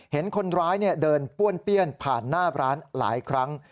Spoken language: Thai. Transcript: เห็นคนร้ายเดินป้วนเปี้ยนผ่านหน้าร้านหลายครั้ง